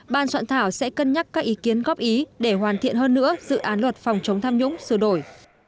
ban soạn thảo sẽ cân nhắc các ý kiến góp ý để hoàn thiện hơn nữa dự án luật phòng chống tham nhũng sửa đổi